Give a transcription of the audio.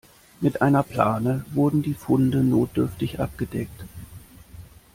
Mit einer Plane wurden die Funde notdürftig abgedeckt.